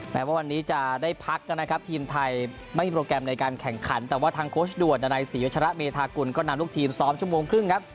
แม้ว่าวันนี้จะได้พักกันนะครับทีมไทยไม่มีโปรแกรมในการแข่งขันแต่ว่าทางโค้ชด่วนดานัยศรีวัชระเมธากุลก็นำลูกทีมซ้อมชั่วโมงครึ่งครับ